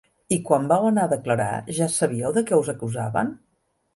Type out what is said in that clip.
I quan vau anar a declarar, ja sabíeu de què us acusaven?